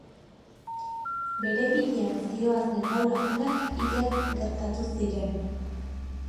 Beribilean zihoazen lau lagunak hilak gertatu ziren.